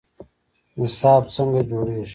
نصاب څنګه جوړیږي؟